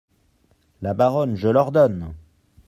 La Baronne Je l’ordonne !